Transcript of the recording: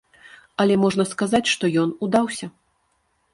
Але можна сказаць, што ён удаўся.